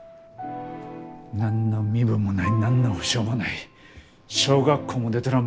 何の身分もない何の保証もない小学校も出とらん